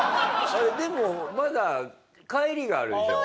でもまだ帰りがあるでしょ？